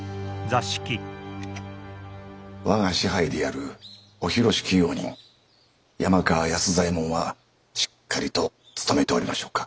我が支配である御広敷用人山川安左衛門はしっかりと務めておりましょうか？